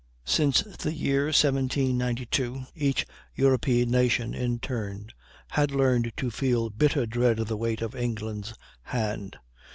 Since the year 1792 each European nation, in turn, had learned to feel bitter dread of the weight of England's hand.